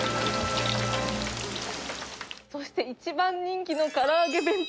そして一番人気のからあげ弁当。